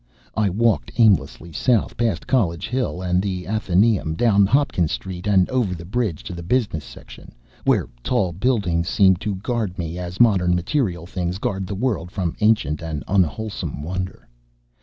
I walked aimlessly south past College Hill and the Athenæum, down Hopkins Street, and over the bridge to the business section where tall buildings seemed to guard me as modern material things guard the world from ancient and unwholesome wonder.